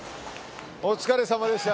お疲れさまでした。